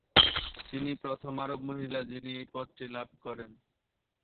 তিনি প্রথম আরব মহিলা যিনি এই পদটি লাভ করেন।